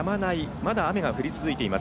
まだ雨が降り続いています。